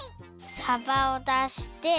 さばをだして。